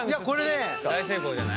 大成功じゃない？